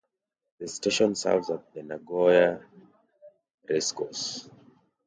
The station serves the Nagoya Racecourse.